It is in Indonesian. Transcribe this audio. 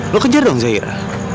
lo kejar dong zahira